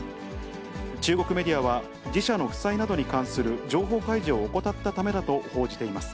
中国メディアは、自社の負債などに関する情報開示を怠ったためだと報じています。